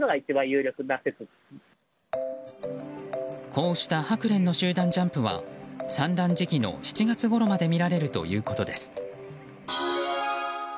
こうしたハクレンの集団ジャンプは産卵時期の７時ごろまで見られるということです。